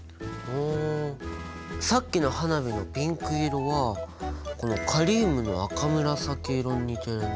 さっきの花火のピンク色はこのカリウムの赤紫色に似てるね。